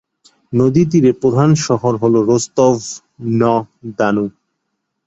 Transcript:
নদী তীরে প্রধান শহর হলো রোস্তভ-ন্য-দানু।